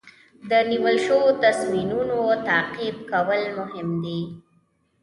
د نیول شوو تصمیمونو تعقیب کول مهم دي.